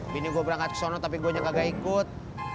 bini gua berangkat kesana tapi gua nya kagak ikut